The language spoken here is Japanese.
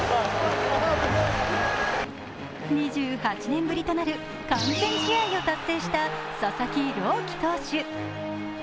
２８年ぶりとなる完全試合を達成した佐々木朗希投手。